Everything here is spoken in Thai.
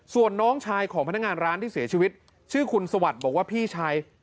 ส่วนน้องชายของพนักงานร้านที่เสียชีวิตชื่อคุณสวัสดิ์บอกว่าพี่ชาย